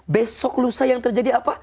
besok lusa yang terjadi apa